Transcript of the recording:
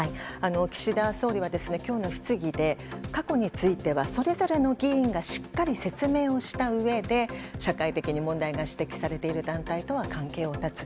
岸田総理は今日の質疑で過去についてはそれぞれの議員がしっかり説明をしたうえで社会的に問題が指摘されている団体とは関係を断つ。